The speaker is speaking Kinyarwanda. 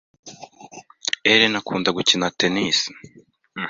Ellen akunda gukina tennis.